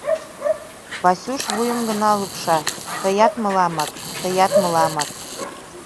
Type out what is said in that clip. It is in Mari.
Васюш вуйым гына лупша: тыят мыламак, тыят мыламак...